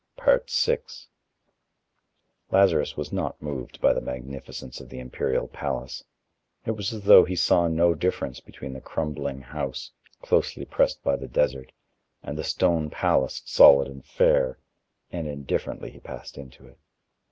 VI Lazarus was not moved by the magnificence of the imperial palace. It was as though he saw no difference between the crumbling house, closely pressed by the desert, and the stone palace, solid and fair, and indifferently he passed into it.